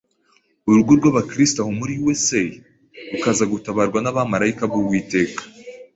urugo rw’abakristo aho muri USA, rukaza gutabarwa n’abamalayika b’Uwiteka